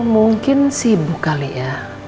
mungkin sibuk kali ya